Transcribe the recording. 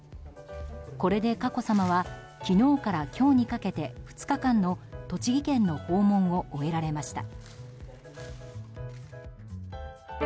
これで、佳子さまは昨日から今日にかけて２日間の栃木県の訪問を終えられました。